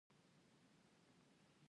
آیا خلک له بې وزلو سره مرسته نه کوي؟